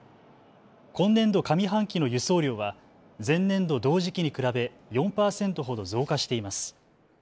今年度上半期の輸送量は前年度同時期に比べ４％ほど増加しています。